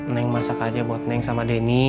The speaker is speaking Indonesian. neng masak aja buat neng sama denny